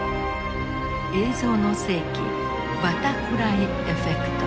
「映像の世紀バタフライエフェクト」。